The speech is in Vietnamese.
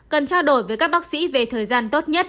cần trao đổi với các bác sĩ về thời gian tốt nhất